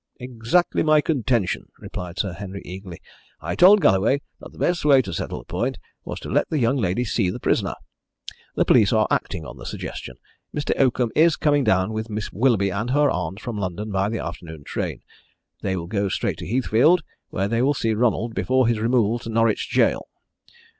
"Exactly my contention," replied Sir Henry eagerly. "I told Galloway that the best way to settle the point was to let the young lady see the prisoner. The police are acting on the suggestion. Mr. Oakham is coming down with Miss Willoughby and her aunt from London by the afternoon train. They will go straight to Heathfield, where they will see Ronald before his removal to Norwich gaol.